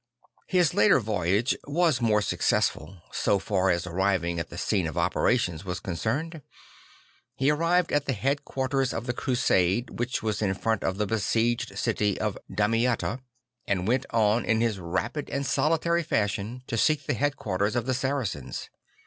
His later voyage was more successful, so far as arriving at the scene of operations was con cerned. He arrived at the headquarters of the Crusade which was in front of the besieged city of Damietta, and went on in his rapid and 'I he Mirror of Christ 147 solitary fashion to seek the headquarters of the Saracens.